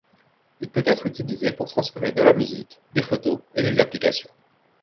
Il peut être utilisé pour transférer de la musique, des photos et des applications.